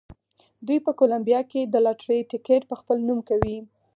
دوی په کولمبیا کې د لاټرۍ ټکټ په خپل نوم کوي.